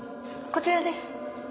こちらです。